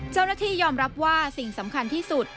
เจ้าหน้าที่ยอมรับว่าสิ่งสำคัญที่สุด